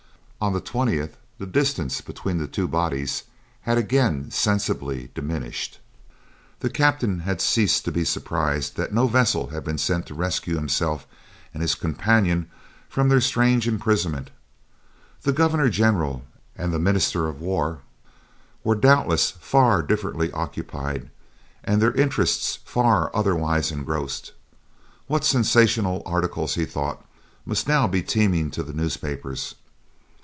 On the 20th, the distance between the two bodies had again sensibly diminished. The captain had ceased to be surprised that no vessel had been sent to rescue himself and his companion from their strange imprisonment; the governor general and the minister of war were doubtless far differently occupied, and their interests far otherwise engrossed. What sensational articles, he thought, must now be teeming to the newspapers!